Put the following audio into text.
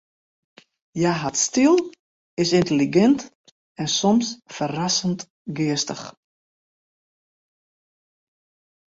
Hja hat styl, is yntelligint en soms ferrassend geastich.